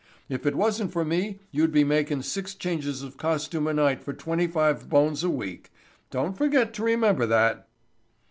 If it wasn't for me you'd be makin' six changes of costume a night for twenty five bones a week. Don't forget to remember that."